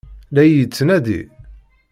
La iyi-yettnadi?